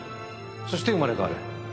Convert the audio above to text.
そして生まれ変わる。